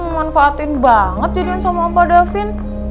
manfaatin banget jadinya sama opo davin